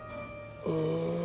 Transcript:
うん。